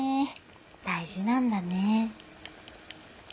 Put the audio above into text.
大事なんだね。